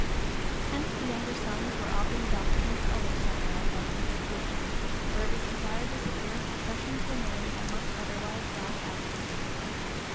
Hence the younger sons were often adopted into other samurai families as yōshi, where it was desired to secure a succession to a name that must otherwise die out.